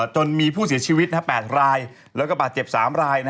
จนมีผู้เสียชีวิต๘รายแล้วก็บาดเจ็บ๓ราย